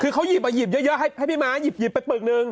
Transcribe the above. คือเขาหยิบมาหยิบเยอะให้พี่ม้าหยิบไปเปลือกนึง